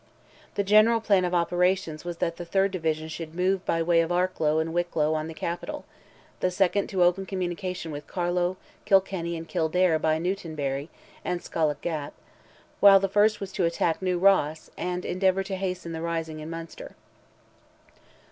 The general plan of operations was that the third division should move by way of Arklow and Wicklow on the Capital; the second to open communication with Carlow, Kilkenny, and Kildare by Newtownbarry and Scollagh gap; while the first was to attack New Ross, and endeavour to hasten the rising in Munster.